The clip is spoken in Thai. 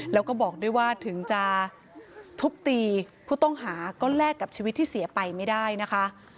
แล้วก็บอกด้วยว่าถึงจะทุบตีผู้ต้องหาก็แลกกับชีวิตที่เสียไปไม่ได้นะคะ